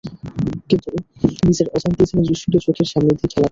কিন্তু নিজের অজান্তেই যেন দৃশ্যটি চোখের সামনে দিয়ে খেলা করে যায়।